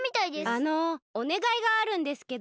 あのおねがいがあるんですけど。